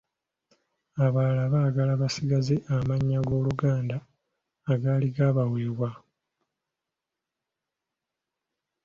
Abalala baagala basigaze amannya g’Oluganda agaali gaabaweebwa.